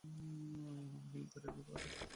মিলব্যারেল এ স্যার।